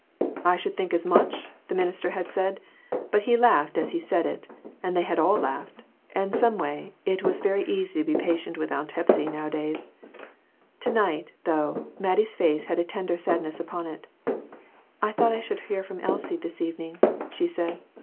"I should think as much?" the minister had said ; but he had laughed as he said it, and they had all laughed; and someway, it was very easy to be patient with Aunt Hepsy nowadays. To night, though, Mattie's face had a tender sadness upon it. "I thought I should hear from Elsie this evening," she said.